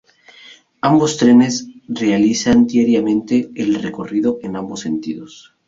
Ambos trenes realizan diariamente el recorrido en ambos sentidos.